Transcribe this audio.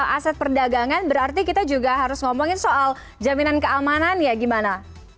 aset perdagangan berarti kita juga harus ngomongin soal jaminan keamanan ya gimana